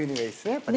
やっぱり。